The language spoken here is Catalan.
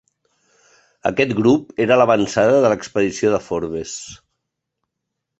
Aquest grup era l'avançada de l'expedició de Forbes.